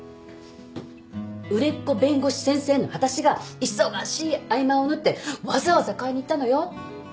売れっ子弁護士先生の私が忙しい合間を縫ってわざわざ買いに行ったのよ？